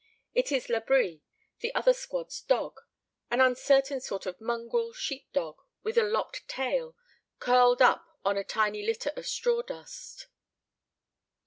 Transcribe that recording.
It is Labri, the other squad's dog, an uncertain sort of mongrel sheep dog, with a lopped tail, curled up on a tiny litter of straw dust.